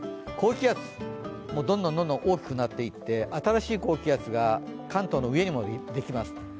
高気圧、どんどん大きくなって新しい高気圧が関東の上にもできます。